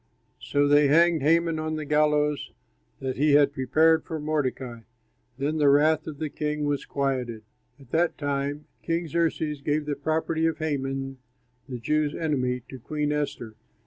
So they hanged Haman on the gallows that he had prepared for Mordecai. Then the wrath of the king was quieted. At that time King Xerxes gave the property of Haman, the Jews' enemy, to Queen Esther.